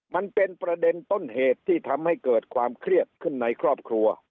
มันเป็นประเด็นต้นเหตุที่ทำให้เกิดความเครียดขึ้นในครอบครัว